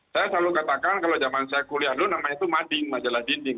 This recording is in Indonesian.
saya selalu katakan kalau zaman saya kuliah dulu namanya itu mading majalah dinding